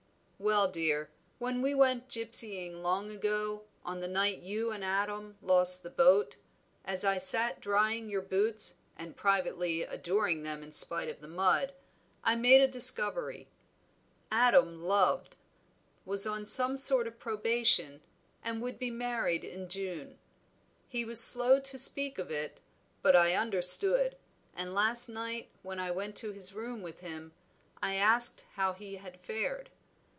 "Well, dear, when we went gypsying long ago, on the night you and Adam lost the boat, as I sat drying your boots, and privately adoring them in spite of the mud, I made a discovery. Adam loved, was on some sort of probation, and would be married in June. He was slow to speak of it, but I understood, and last night when I went to his room with him, I asked how he had fared.